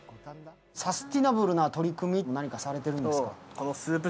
サスティナブルな取り組みって何かされているんですか？